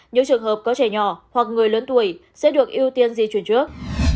những trường hợp có trẻ nhỏ hoặc người lớn tuổi sẽ được ưu tiên di chuyển trước